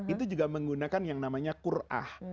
itu juga menggunakan yang namanya qur'ah